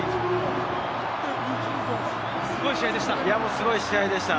すごい試合でした。